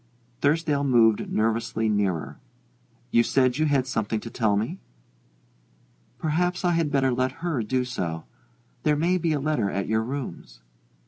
Thursdale moved nervously nearer. "You said you had something to tell me?" "Perhaps I had better let her do so. There may be a letter at your rooms."